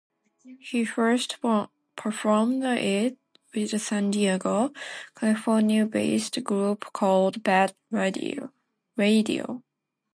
He first performed it with a San Diego, California-based group called Bad Radio.